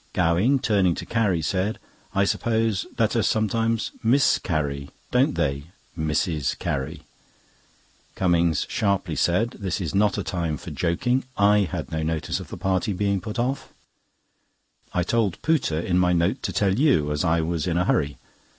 Gowing, turning to Carrie, said: "I suppose letters sometimes miscarry, don't they, Mrs. Carrie?" Cummings sharply said: "This is not a time for joking. I had no notice of the party being put off." Gowing replied: "I told Pooter in my note to tell you, as I was in a hurry.